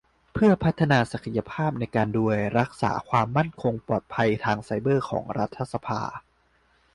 เพื่อพัฒนาศักยภาพในการดูแลรักษาความมั่นคงปลอดภัยทางไซเบอร์ของรัฐสภา